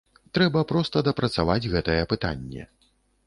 Трэба проста дапрацаваць гэтае пытанне.